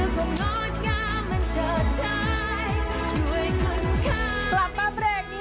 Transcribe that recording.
เธอคือคนงอดกามันเฉิดท้ายด้วยคุณค่ะ